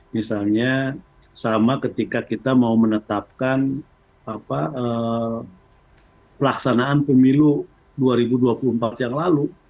misalnya sama ketika kita mau menetapkan pelaksanaan pemilu dua ribu dua puluh empat yang lalu